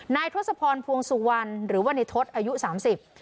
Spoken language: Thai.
ทศพรพวงสุวรรณหรือว่าในทศอายุสามสิบ